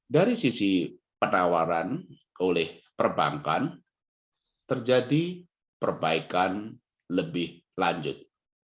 dari sisi penawaran oleh perbankan terjadi perbaikan lebih lanjut